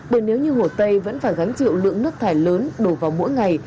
bởi nếu như hồ tây vẫn phải gánh chịu lượng nước thải lớn đổ vào mỗi ngày